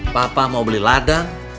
papa mau beli ladang